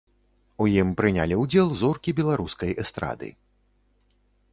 У ім прынялі ўдзел зоркі беларускай эстрады.